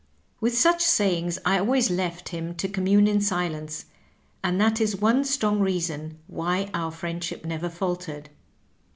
With such sayings I always left him to commune in silence, and that is one strong reason why our friendship never faltered.